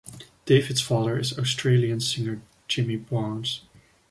David's father is Australian singer Jimmy Barnes.